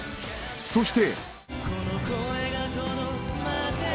そして。